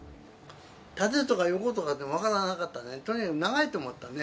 縦とか横とかって分からなかったね、とにかく長いと思ったね。